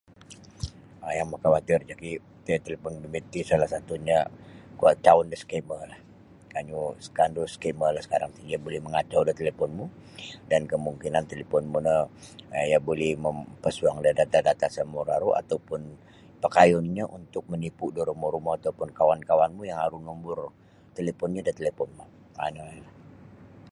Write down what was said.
um Yang makawatir joki tiyo talipon bimbit ti salah satunyo kocauon da scammerlah kanyu kandu scammerlah sekarang ti iyo buli mangacau da taliponmu dan kemungkinan talipon mu no iyo buli mampasuang da data-data samaru-aru atau pun pakayunnyo untuk manipu da rumo-rumo atau pun kawan-kawanmu yang aru numburnyo da taliponmu. um ino nio.